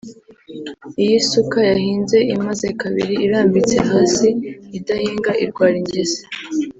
iyo isuka yahinze imaze kabiri irambitse hasi idahinga irwara ingese